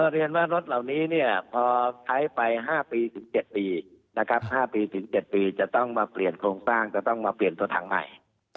เรียนว่ารถเหล่านี้พอใช้ไป๕ปีถึง๗ปีนะครับ๕ปีถึง๗ปีจะต้องมาเปลี่ยนโครงสร้างจะต้องมาเปลี่ยนตัวถังใหม่